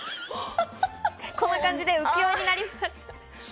こんな感じで浮世絵になります。